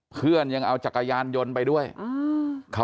เพื่อนยังเอาจักรยานยนต์ไปด้วย